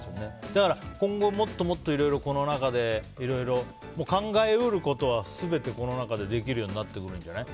だから今後、もっともっとこの中でいろいろ考え得ることは全てこの中でできるようになってくるんじゃない？